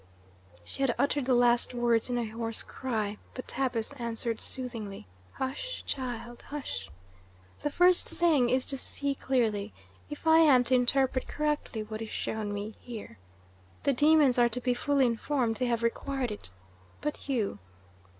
She had uttered the last words in a hoarse cry, but Tabus answered soothingly: "Hush, child, hush! The first thing is to see clearly, if I am to interpret correctly what is shown me here. The demons are to be fully informed they have required it. But you?